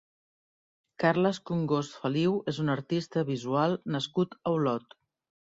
Carles Congost Feliu és un artista visual nascut a Olot.